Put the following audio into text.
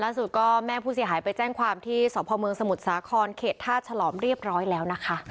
สุดก็แม่ผู้เสียหายไปแจ้งความที่สพเมืองสมุทรสาครเขตท่าฉลอมเรียบร้อยแล้วนะคะ